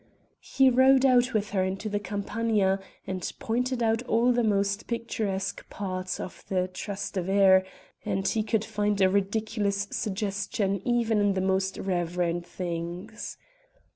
He rode out with her into the Campagna, and pointed out all the most picturesque parts of the Trastevere, and he could find a ridiculous suggestion even in the most reverend things.